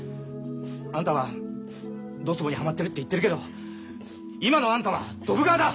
あんたはドツボにハマってるって言ってるけど今のあんたはドブ川だ！